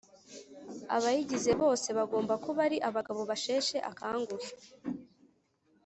. Abayigize bose bagombaga kuba ari abagabo basheshe akanguhe